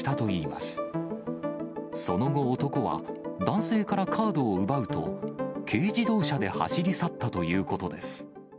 その後、男は男性からカードを奪うと、軽自動車で走り去ったということです。